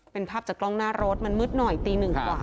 เป็นภาพจากกล้องหน้ารถมันมืดหน่อยตีหนึ่งกว่า